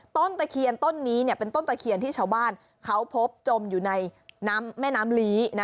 ตะเคียนต้นนี้เป็นต้นตะเคียนที่ชาวบ้านเขาพบจมอยู่ในน้ำแม่น้ำลี